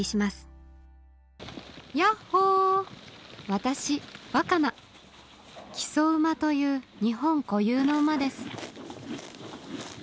私若菜木曽馬という日本固有の馬です